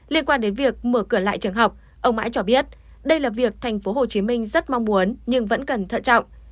liên quan đến việc mở cửa lại trường học ông mãi cho biết đây là việc tp hcm rất mong muốn nhưng vẫn cần thận trọng